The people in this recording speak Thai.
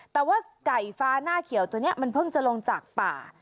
แต่ว่าไก่ฟ้าหน้าเขียวตัวนี้มันเพิ่งจะลงจากป่า